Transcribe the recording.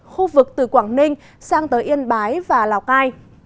khu vực từ quảng ninh sang tới yên bái và lào cai